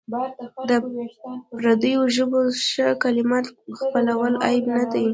د پردیو ژبو ښه کلمات خپلول عیب نه دی.